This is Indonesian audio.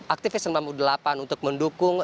aktivis sembilan puluh delapan untuk mendukung